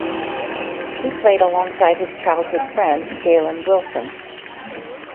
He played alongside his childhood friend Jalen Wilson.